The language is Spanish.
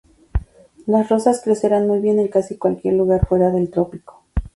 Las rosas crecerán muy bien en casi cualquier lugar fuera del trópico.